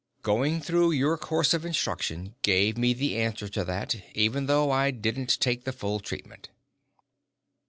Going through your course of instruction gave me the answer to that, even though I didn't take the full treatment.